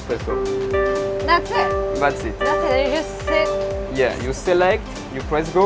saya bisa melihat cara saya melakukannya